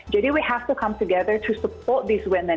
jadi kita harus bersama sama untuk mendukung perempuan ini